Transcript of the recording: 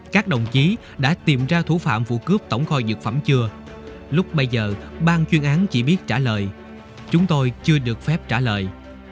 các đồng chí đã tìm ra thủ phạm vụ cướp tổng kho dược phẩm chưa lúc bây giờ bang chuyên án chỉ biết trả lời chúng tôi chưa được phép trả lời